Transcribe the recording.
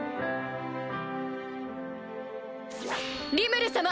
リムル様！